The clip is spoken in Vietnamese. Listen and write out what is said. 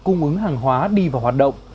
cung ứng hàng hóa đi vào hoạt động